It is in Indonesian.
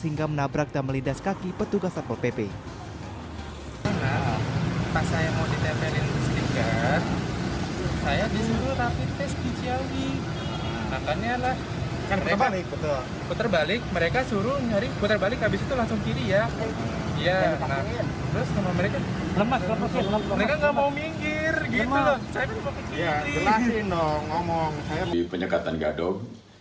hingga menabrak dan melidas kaki petugas tanpa pp